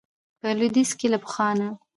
په لويديځ کې له پخوا نه